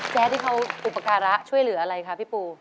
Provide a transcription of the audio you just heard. ที่เขาอุปการะช่วยเหลืออะไรคะพี่ปู